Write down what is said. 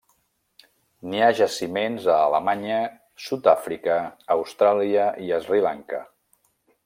N'hi ha jaciments a Alemanya, Sud-àfrica, Austràlia i Sri Lanka.